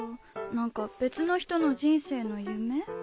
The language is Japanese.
何か別の人の人生の夢？